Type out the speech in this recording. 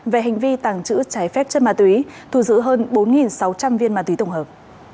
về hành vi tàng trữ trái phép chất ma túy thu giữ hơn bốn sáu trăm linh viên ma túy tổng hợp